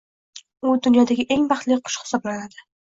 U dunyodagi eng baxtli qush hisoblanadi